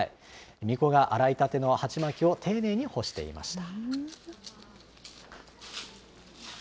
みこが洗いたての鉢巻を丁寧に干していました。